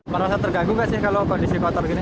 merasa terganggu nggak sih kalau kondisi motor gini